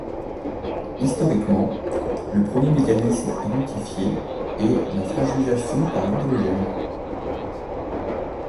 Historiquement, le premier mécanisme identifié est la fragilisation par l'hydrogène.